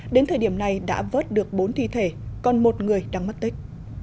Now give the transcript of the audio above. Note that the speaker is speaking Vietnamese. đến thời điểm này đã vớt được bốn thi thể còn một người đang mất tích